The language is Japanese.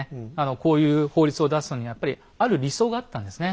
こういう法律を出すのにはやっぱりある理想があったんですね。